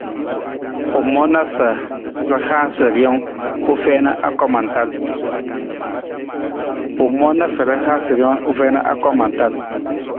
U moona sa ra haasa rijang u fiin anggoma tal.